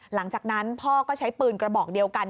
หลังจากนั้นพ่อก็ใช้ปืนกระบอกเดียวกัน